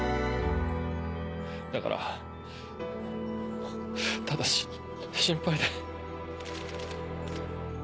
だからただ心配で。